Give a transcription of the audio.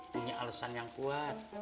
punya alesan yang kuat